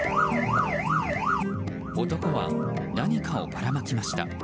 男は何かをばらまきました。